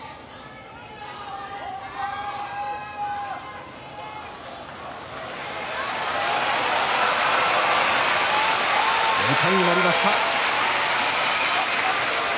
拍手時間になりました。